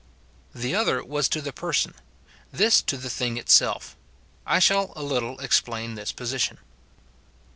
The other was to the person ; this to the thing itself. I shall a little explain this position.